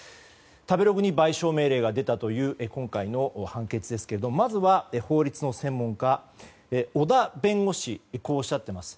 食べログに賠償命令が出たという今回の判決、まずは法律の専門家小田弁護士はこうおっしゃっています。